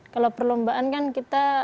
kalau perlombaan kan kita